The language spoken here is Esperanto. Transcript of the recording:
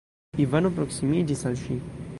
Ivano proksimiĝis al ŝi.